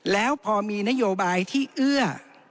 แล้วพอมีนโยบายที่เอื้อ